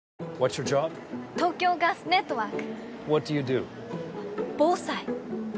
それ！東京ガスネットワーク！